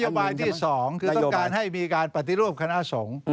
โยบายที่๒คือต้องการให้มีการปฏิรูปคณะสงฆ์